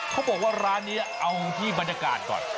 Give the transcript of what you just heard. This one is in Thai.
เขาบอกว่าร้านนี้เอาที่บรรยากาศก่อน